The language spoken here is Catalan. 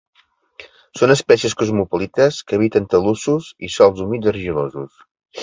Són espècies cosmopolites que habiten talussos i sòls humits argilosos.